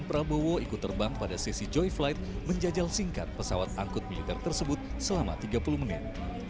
prabowo ikut terbang pada sesi joy flight menjajal singkat pesawat angkut militer tersebut selama tiga puluh menit